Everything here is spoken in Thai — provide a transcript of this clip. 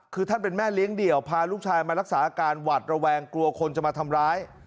คือท่านเป็นแม่เลี้ยงเดี่ยวพาลูกชายมารักษาอาการหวัดระแวงกลัวคนจะมาทำร้าย